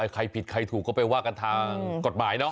ใครผิดใครถูกก็ไปว่ากันทางกฎหมายเนาะ